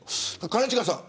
兼近さん